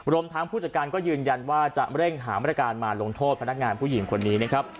รวมทั้งผู้จัดการก็ยืนยันว่าจะเร่งหามาตรการมาลงโทษพนักงานผู้หญิงคนนี้นะครับ